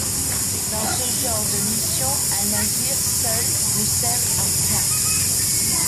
Dans ce genre de mission, un navire seul ne sert à rien.